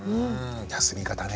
休み方ね。